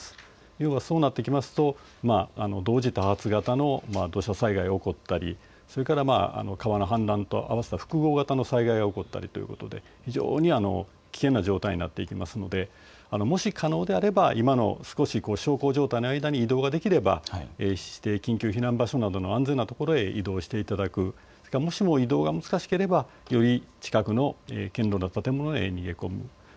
要はそうなってくると同時多発型の土砂災害が起こったりそれから川の氾濫とあわせた複合型の災害が起こったりということで非常に危険な状態になっていきますのでもし可能であれば今の少し小康状態の間に移動ができれば緊急指定避難場所などに移動していただく、もしも移動が難しければより近くの堅ろうな建物へ逃げ込み